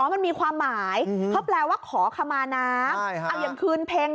มันมีความหมายเขาแปลว่าขอขมาน้ำเอาอย่างคืนเพ็ง